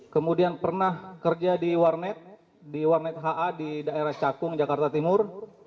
kemudian pernah kerja di warnet di warnet ha di daerah cakung jakarta timur